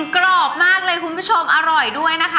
กรอบมากเลยคุณผู้ชมอร่อยด้วยนะคะ